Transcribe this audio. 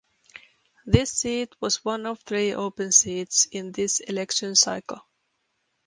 This seat was one of three open seats in this election cycle.